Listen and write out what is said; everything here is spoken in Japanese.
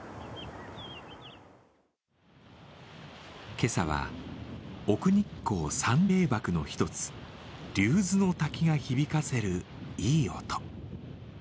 今朝は奥日光三名ばくの一つ、竜頭ノ滝が響かせる、いい音。